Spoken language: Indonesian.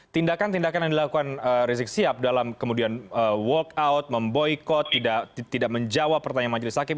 tindakan tindakan yang dilakukan rizik sihab dalam kemudian walkout memboykot tidak menjawab pertanyaan majelis hakim